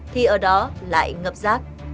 thì ở đó lại ngập rác